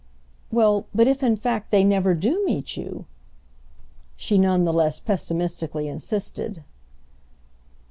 "Well, but if in fact they never do meet you?" she none the less pessimistically insisted.